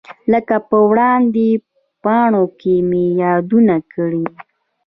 لکه په وړاندې پاڼو کې مې یادونه کړې.